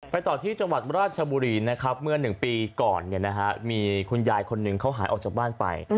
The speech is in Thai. ต่อที่จังหวัดราชบุรีนะครับเมื่อ๑ปีก่อนมีคุณยายคนหนึ่งเขาหายออกจากบ้านไป